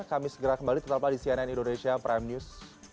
kami segera kembali tetaplah di cnn indonesia prime news